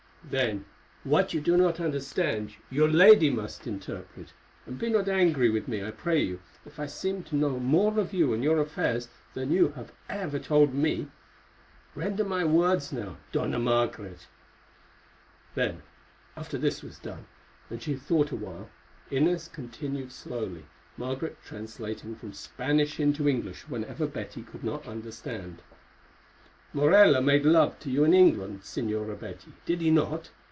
"Then what you do not understand your lady must interpret, and be not angry with me, I pray you, if I seem to know more of you and your affairs than you have ever told me. Render my words now, Dona Margaret." Then, after this was done, and she had thought awhile, Inez continued slowly, Margaret translating from Spanish into English whenever Betty could not understand: "Morella made love to you in England, Señora Betty—did he not?